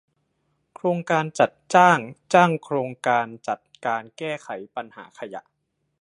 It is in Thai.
โครงการจัดจ้างจ้างโครงการจัดการแก้ไขปัญหาขยะ